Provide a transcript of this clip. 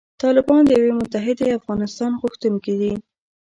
طالبان د یوې متحدې افغانستان غوښتونکي دي.